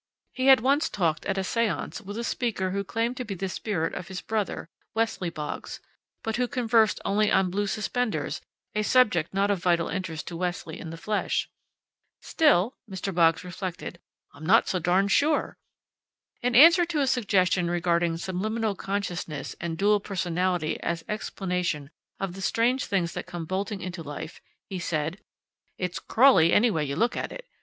He had once talked at a séance with a speaker who claimed to be the spirit of his brother, Wesley Boggs, but who conversed only on blue suspenders, a subject not of vital interest to Wesley in the flesh. "Still," Mr. Boggs reflected, "I'm not so darn sure!" In answer to a suggestion regarding subliminal consciousness and dual personality as explanation of the strange things that come bolting into life, he said, "It's crawly any way you look at it.